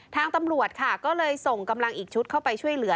ทางตำรวจค่ะก็เลยส่งกำลังอีกชุดเข้าไปช่วยเหลือ